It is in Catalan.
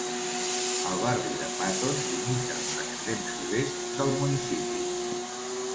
El barri de Patton limita amb l'extrem sud-est del municipi.